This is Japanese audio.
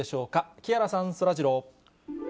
木原さん、そらジロー。